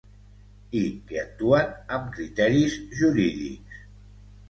I que actuen amb criteris jurídics.